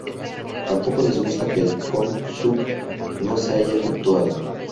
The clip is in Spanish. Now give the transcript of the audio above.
Tampoco les gusta que el com-shuk no se haya efectuado.